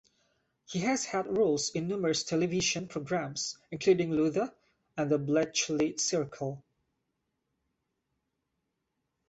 He has had roles in numerous television programs including "Luther" and "The Bletchley Circle".